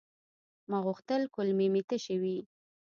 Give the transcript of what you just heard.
ما غوښتل کولمې مې تشي وي.